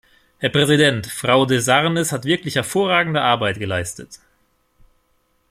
Herr Präsident, Frau De Sarnez hat wirklich hervorragende Arbeit geleistet.